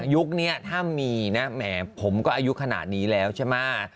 ยุคนี้ถ้ามีนะแหมผมก็อายุขนาดนี้แล้วใช่ไหม